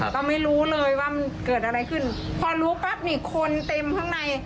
เราไม่รู้เลยว่ามันเกิดอะไรขึ้นพอรู้ปั๊บนี่คนเต็มข้างใน